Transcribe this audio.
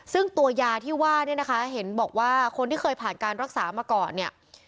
ซึ่งตัวยาที่ว่าเนี่ยนะคะเห็นบอกว่าคนที่เคยผ่านการรักษามาก่อนเนี่ย